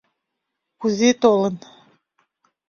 — Кузе толын?..